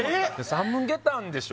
サムゲタンでしょ？